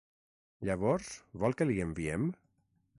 Llavors vol que li enviem?